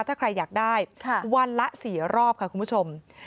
ถ้าใครอยากได้วันละ๔รอบค่ะคุณผู้ชม